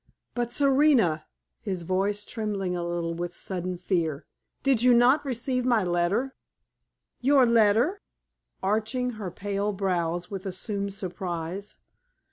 "But, Serena" his voice trembling a little with sudden fear "did you not receive my letter?" "Your letter?" arching her pale brows with assumed surprise.